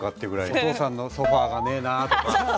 お父さんのソファーがねーなーとか。